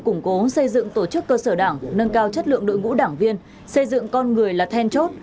củng cố xây dựng tổ chức cơ sở đảng nâng cao chất lượng đội ngũ đảng viên xây dựng con người là then chốt